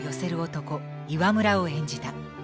男岩村を演じた。